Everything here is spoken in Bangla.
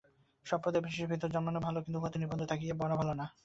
সম্প্রদায়-বিশেষের ভিতর জন্মানো ভাল, কিন্তু উহাতে নিবদ্ধ থাকিয়া মরা ভাল নয়।